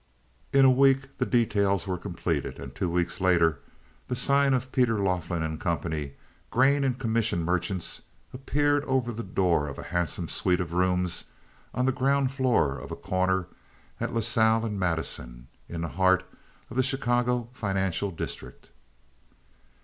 In a week the details were completed, and two weeks later the sign of Peter Laughlin & Co., grain and commission merchants, appeared over the door of a handsome suite of rooms on the ground floor of a corner at La Salle and Madison, in the heart of the Chicago financial district.